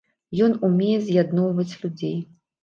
Ён умее з'ядноўваць людзей.